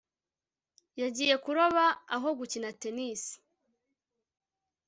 yagiye kuroba aho gukina tennis